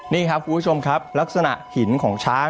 นี่ครับคุณผู้ชมครับลักษณะหินของช้าง